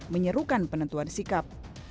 menyerukan penentuan sikap